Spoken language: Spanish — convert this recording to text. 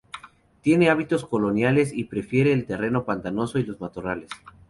Tiene hábitos coloniales y prefiere el terreno pantanoso y los matorrales.